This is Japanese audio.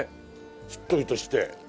しっとりとして。